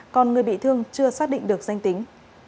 còn người bị thương chưa xác định được danh tính